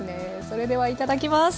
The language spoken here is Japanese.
それではいただきます。